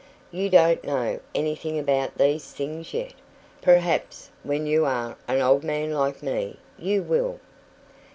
You don't know anything about these things yet. Perhaps, when you are an old man like me, you will."